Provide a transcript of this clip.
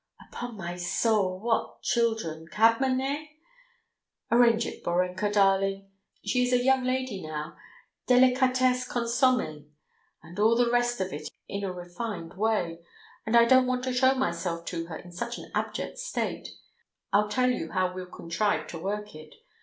"Upon my soul! What children! Cabman, eh? Arrange it, Borenka darling! She is a young lady now, delicatesse, consommé, and all the rest of it in a refined way, and I don't want to show myself to her in such an abject state. I'll tell you how we'll contrive to work it.